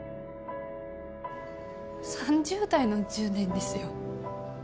３０代の１０年ですよ。